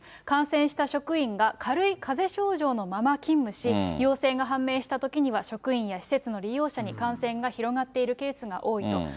感染した職員が軽いかぜ症状のまま勤務し、陽性が判明したときには職員や施設の利用者に感染が広がっているケースが多いと。